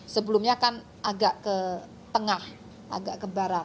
sebelumnya kan agak ke tengah agak ke barat